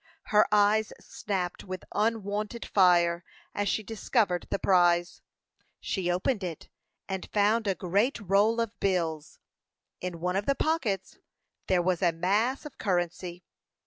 Her eyes snapped with unwonted fire as she discovered the prize. She opened it, and found a great roll of bills; in one of the pockets there was a mass of currency.